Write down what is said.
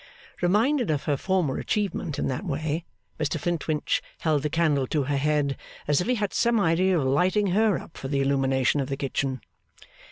Reminded of her former achievement in that way, Mr Flintwinch held the candle to her head, as if he had some idea of lighting her up for the illumination of the kitchen.